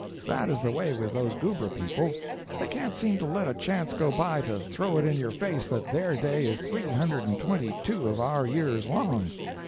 That is the way with those Goobra people—they can't seem to let a chance go by to throw it in your face that their day is three hundred and twenty two of our years long.